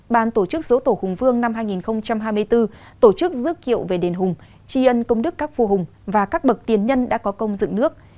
ban tổ chức số tổ hùng vương năm hai nghìn hai mươi bốn tổ chức dước kiệu về đền hùng tri ân công đức các vua hùng và các bậc tiền nhân đã có công dựng nước